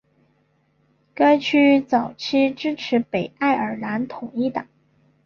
该区早期支持北爱尔兰统一党。